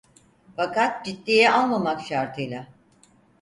Fakat ciddiye almamak şartıyla!